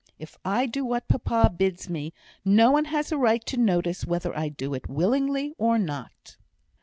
If I do what papa bids me, no one has a right to notice whether I do it willingly or not."